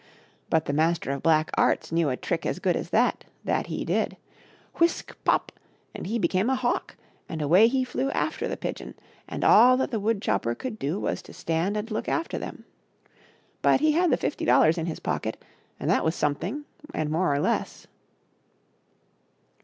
But the Master of Black Arts knew a trick as good as that, that he did. Whisk ! pop !— and he became a hawk, and away he flew after the pigeon, and all that the wood chopper could do was to stand and look after them — But he had the fifty dollars in his pocket, and that was something and more or less.